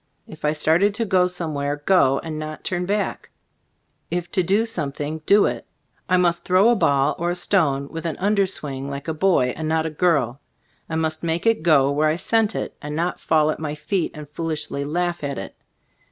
If I started to go some where, go, and not turn back; if to do something, do it. I must throw a ball or a stone with an under swing like a boy and not a girl, and must make it go where I sent it, and not fall at my feet and foolishly laugh at it.